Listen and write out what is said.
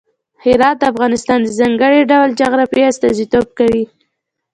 هرات د افغانستان د ځانګړي ډول جغرافیه استازیتوب کوي.